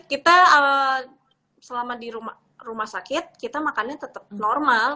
kita selama di rumah sakit kita makannya tetap normal